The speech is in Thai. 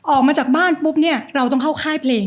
ออกมาจากบ้านปุ๊บเนี่ยเราต้องเข้าค่ายเพลง